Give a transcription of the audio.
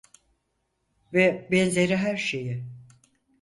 Ve benzeri her şeyi…